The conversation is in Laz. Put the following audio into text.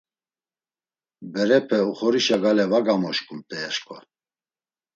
Berepe oxorişa gale va gamoşǩumt̆ey aşǩva.